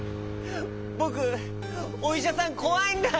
ぼくおいしゃさんこわいんだ。